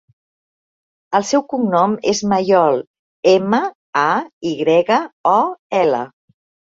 El seu cognom és Mayol: ema, a, i grega, o, ela.